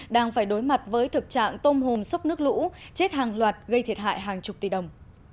đang phải đối mặt với thực trạng tôm hùm sốc nước lũ chết hàng loạt gây thiệt hại hàng chục tỷ đồng